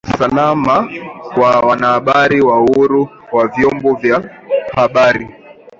usalama wa wanahabari na uhuru wa vyombo vya habari